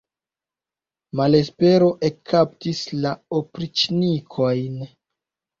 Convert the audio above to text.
Malespero ekkaptis la opriĉnikojn.